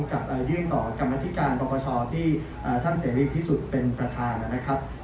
กับยื่นต่อกรรมธิการปปชที่ท่านเสรีพิสุทธิ์เป็นประธานนะครับ